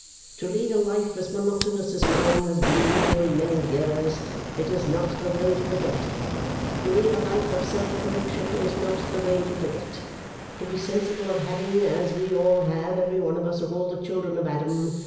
To lead a life as monotonous as mine has been during many years, is not the way to forget. To lead a life of self correction is not the way to forget. To be sensible of having (as we all have, every one of us, all the children of Adam!)